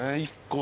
１個。